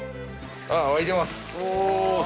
沸いてます。